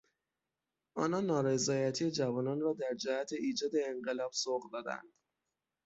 آنان نارضایتی جوانان را در جهت ایجاد انقلاب سوق دادند.